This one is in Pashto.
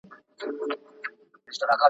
تاسو باید د ښه خلکو له تجربو کار واخلئ.